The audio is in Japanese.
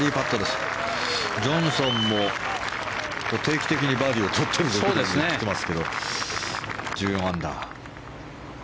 ジョンソンも定期的にバーディーを取っていますけど１４アンダー。